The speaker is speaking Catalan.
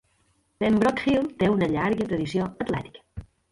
Pembroke Hill té una llarga tradició atlètica.